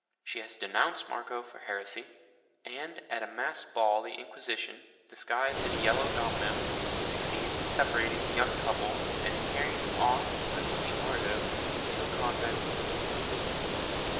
She has denounced Margot for heresy, and at a masked ball the Inquisition, disguised in a yellow domino, succeeds in separating the young couple, and in carrying off "the sweet Margot" to a convent.